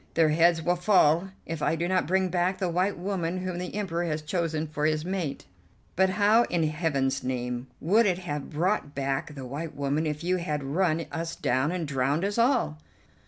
Their heads will fall if I do not bring back the white woman whom the Emperor has chosen for his mate." "But how in Heaven's name would it have brought back the white woman if you had run us down and drowned us all?"